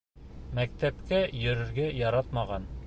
Мәктәпкә йөрөргә яратмаған.